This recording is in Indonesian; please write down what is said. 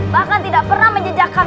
bahkan tidak pernah menjejakkan